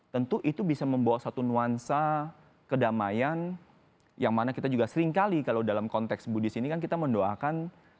tentu itu bisa membawa satu nuansa kedamaian yang mana kita juga seringkali kalau dalam konteks budis ini kan kita mendoakan